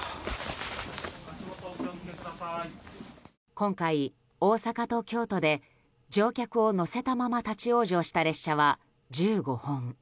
今回、大阪と京都で乗客を乗せたまま立ち往生した列車は１５本。